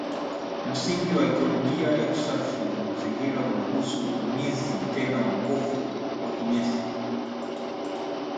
Msingi wa ikolojia ya usafi wa mazingira unahusu utumizi tena wa mkofo na kinyesi